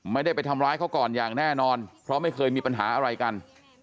ไม่ได้ไปทำร้ายเขาก่อนอย่างแน่นอนเพราะไม่เคยมีปัญหาอะไรกัน